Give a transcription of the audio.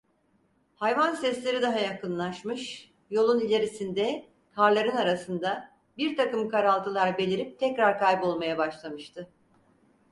Hayvan sesleri daha yakınlaşmış, yolun ilerisinde, karların arasında, birtakım karaltılar belirip tekrar kaybolmaya başlamıştı.